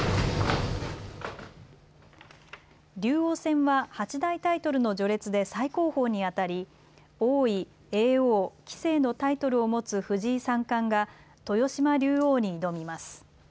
竜王戦は八大タイトルの序列で最高峰にあたり王位、叡王、棋聖のタイトルを持つ藤井三冠が豊島竜王に挑みます。